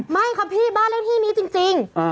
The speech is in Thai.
ไม่ครับพี่บ้านเลขที่นี้จริง